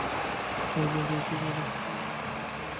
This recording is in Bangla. তাহারা বলিত বিশ্বজগতের সব কিছুর জনক হইল পরমাণু বা প্রকৃতি।